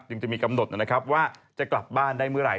จะมีกำหนดนะครับว่าจะกลับบ้านได้เมื่อไหร